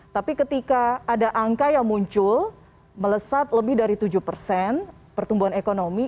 tapi ketika ada angka yang muncul melesat lebih dari tujuh persen pertumbuhan ekonomi